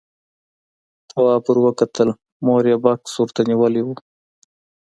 تواب ور وکتل، مور يې بکس ورته نيولی و.